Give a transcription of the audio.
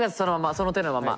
その手のまま。